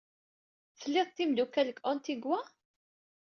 Tlid timeddukal deg Antigua?